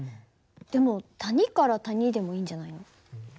でも谷から谷でもいいんじゃないの？